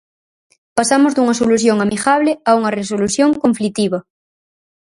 Pasamos dunha solución amigable a unha resolución conflitiva.